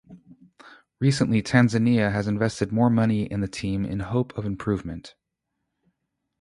Recently Tanzania has invested more money in the team in hope of improvement.